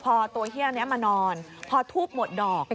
พอตัวเฮียนี้มานอนพอทูบหมดดอก